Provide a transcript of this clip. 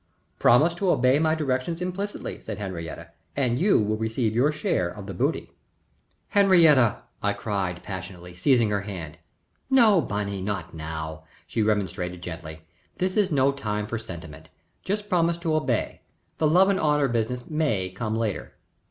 "Promise to obey my directions implicitly," said Henriette "and you will receive your share of the booty." "Henriette " I cried, passionately, seizing her hand. "No Bunny not now," she remonstrated, gently. "This is no time for sentiment. Just promise to obey, the love and honor business may come later."